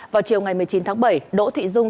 vào chiều ngày một mươi chín tháng bảy đỗ thị dung